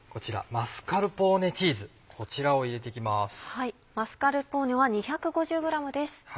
マスカルポーネは２５０ｇです。